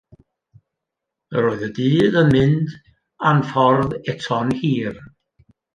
Yr oedd y dydd yn mynd, a'n ffordd eto'n hir.